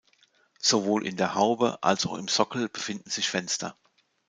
Sowohl in der Haube als auch im Sockel befinden sich Fenster.